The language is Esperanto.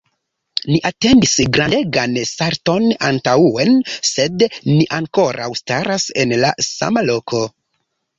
Ni atendis grandegan salton antaŭen, sed ni ankoraŭ staras en la sama loko.